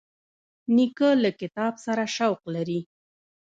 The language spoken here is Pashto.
نیکه له کتاب سره شوق لري.